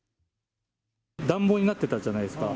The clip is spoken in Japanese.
暖房になってたじゃないですか。